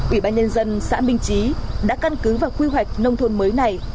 ủy ban nhân dân xã minh trí đã căn cứ vào quy hoạch nông thôn mới này